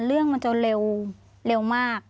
เรื่องมันจะเร็วมาก